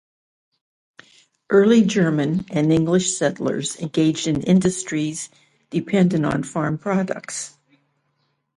Early German and English settlers engaged in industries dependent on farm products.